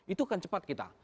itu akan cepat kita